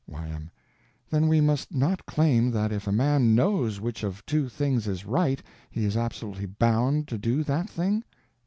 Y.M. Then we must not claim that if a man _knows _which of two things is right he is absolutely _bound _to do that thing?